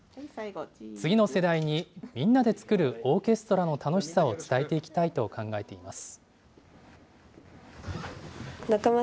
次の世代に、みんなで作るオーケストラの楽しさを伝えていきたいと考えています。